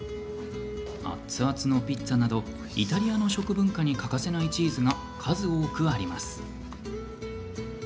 熱々のピッツァなどイタリアの食文化に欠かせないチーズが数多くあります。